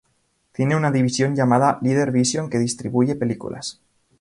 Tiene una división llamada Leader Vision que distribuye películas.